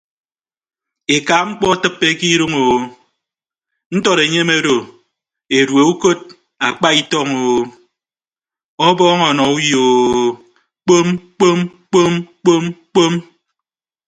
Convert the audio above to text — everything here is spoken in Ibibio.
Eka mkpọ atịppe ke idʌñ o ntọd enyem odo edue ukod akpa itọñ o ọbọọñ ọnọ uyo o kpom kpom kpom kpom kpom.